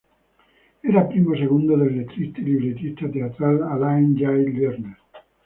Era primo segundo del letrista y libretista teatral Alan Jay Lerner.